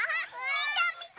みてみて！